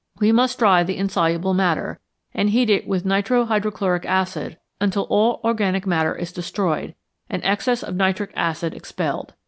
we must dry the insoluble matter, and heat it with nitro hydrochloric acid until all organic matter is destroyed and excess of nitric acid expelled.